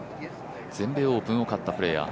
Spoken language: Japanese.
全米オープンを勝ったプレーヤー。